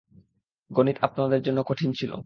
গণিত আপনার জন্য কঠিন ছিল।